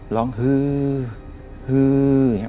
ร้องหือหือ